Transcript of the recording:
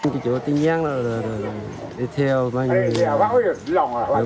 chị chủ tin nhắn là đi theo bao nhiêu người